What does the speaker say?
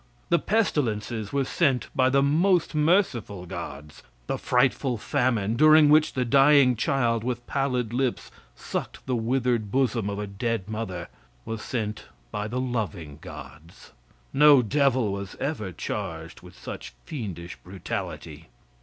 The pestilences were sent by the most merciful gods. The frightful famine, during which the dying child with pallid lips sucked the withered bosom of a dead mother, was sent by the loving gods. No devil was ever charged with such fiendish brutality.